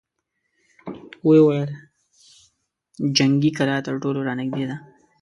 ويې ويل: جنګي کلا تر ټولو را نېږدې ده!